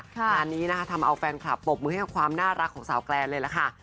งานนี้นะคะทำเอาแฟนคลับปรบมือให้ความน่ารักของสาวแกรนเลยล่ะค่ะ